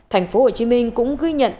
thành phố hồ chí minh cũng ghi nhận